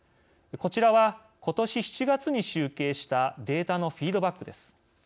こちらはことし７月に集計したデータのフィードバックです。